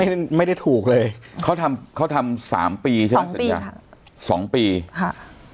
ไม่ได้ไม่ได้ถูกเลยเขาทำเขาทำสามปีใช่ไหมสัญญาสองปีค่ะ